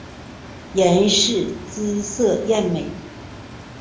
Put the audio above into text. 阎氏姿色艳美。